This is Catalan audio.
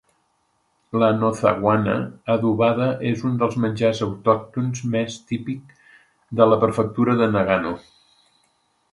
La nozawana adobada és un dels menjars autòctons més típics de la prefectura de Nagano.